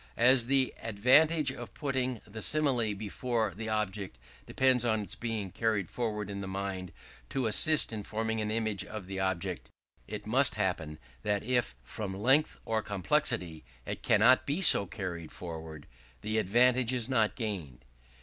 As the advantage of putting the simile before the object depends on its being carried forward in the mind to assist in forming an image of the object, it must happen that if, from length or complexity, it cannot be so carried forward, the advantage is not gained.